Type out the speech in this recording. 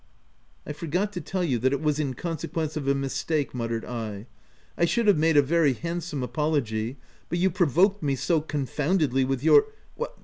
" I forgot to tell you that it was in conse quence of a mistake/' muttered I. " I should have made a very handsome apology, but you provoked me so confoundedly with your